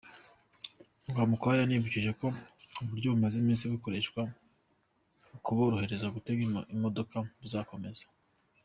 Rwamukwaya yanibukije ko uburyo bumaze iminsi bukoreshwa mu kuborohereza gutega imodoka buzakomeza.